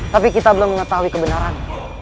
tapi kita belum mengetahui kebenaran